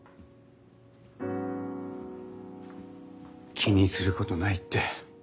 気にすることないって。